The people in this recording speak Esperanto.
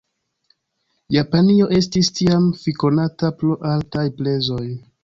Japanio estis tiam fikonata pro altaj prezoj.